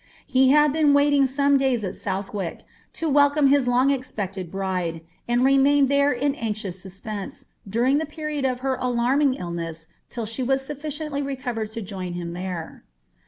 He had been waiting some days at South wirk, to welcome his long ex |iec ted bride, and ren^ained there in anxious suspense, during the Eeriod of her alarming illness, till she was su:ririently recovered to join im there.